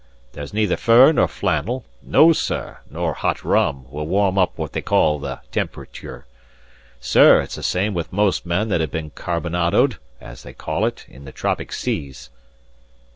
There's neither fur, nor flannel no, sir, nor hot rum, will warm up what they call the temperature. Sir, it's the same with most men that have been carbonadoed, as they call it, in the tropic seas."